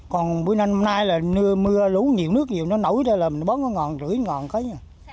còn bữa nay là mưa lú nhiều nước nhiều nó nổi ra là mình bấm nó ngàn rưỡi ngàn cái